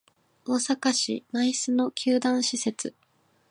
大阪市・舞洲の球団施設